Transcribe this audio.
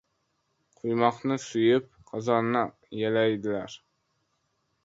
• Quymoqni suyib, qozonni yalaydilar.